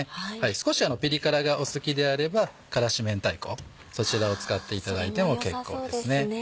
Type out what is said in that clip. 少しピリ辛がお好きであれば辛子めんたいこそちらを使っていただいても結構ですね。